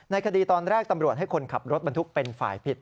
คดีตอนแรกตำรวจให้คนขับรถบรรทุกเป็นฝ่ายผิด